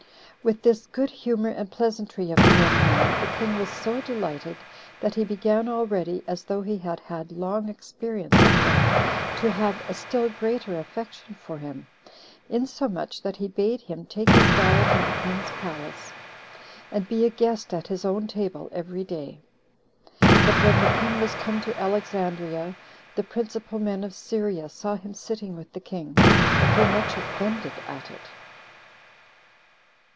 With this good humor and pleasantry of the young man, the king was so delighted, that he began already, as though he had had long experience of him, to have a still greater affection for him, insomuch that he bade him take his diet in the king's palace, and be a guest at his own table every day. But when the king was come to Alexandria, the principal men of Syria saw him sitting with the king, and were much offended at it.